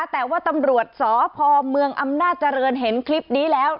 แต่ว่าตำรวจสพเมืองอำนาจเจริญเห็นคลิปนี้แล้ว